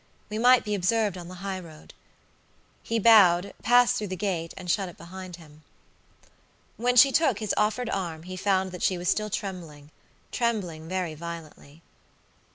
"We might be observed on the high road." He bowed, passed through the gate, and shut it behind him. When she took his offered arm he found that she was still tremblingtrembling very violently.